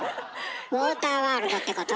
ウォーターワールドってこと？